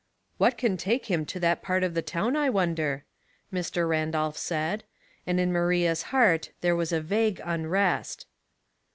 " What can take him to that part of the town I wonder," Mr. Randolph said ; and in Maria's heart there was a vague unrest.